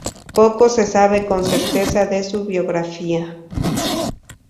Poco se sabe con certeza de su biografía.